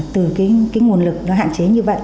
từ cái nguồn lực nó hạn chế như vậy